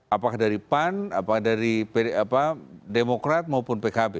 apakah dari pan apakah dari demokrat maupun pkb